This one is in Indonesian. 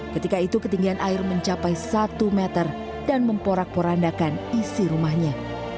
ketika itu ketinggian air mencapai satu meter dan memporak porandakan isi rumahnya